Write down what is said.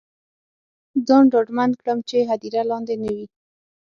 ځان ډاډمن کړم چې هدیره لاندې نه وي.